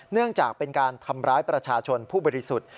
เนื่องจากเป็นการทำร้ายประชาชนผู้บริสุทธิ์